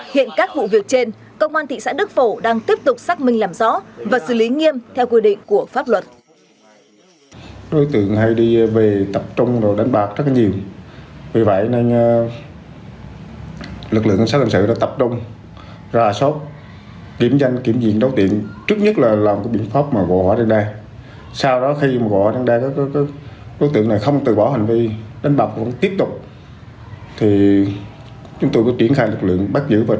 hiện các vụ việc trên công an thị xã đức phổ đang tiếp tục xác minh làm rõ và xử lý nghiêm theo quy định của pháp luật